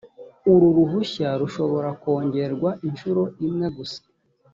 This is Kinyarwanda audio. uru ruhushya rushobora kongerwa inshuro imwe gusa